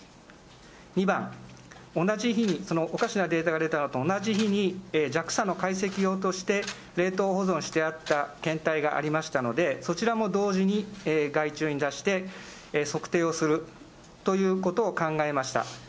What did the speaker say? ２番、同じ日に、そのおかしなデータが出たのと同じ日に、ＪＡＸＡの解析用として冷凍保存してあった検体がありましたので、そちらも同時に外注に出して、測定をするということを考えました。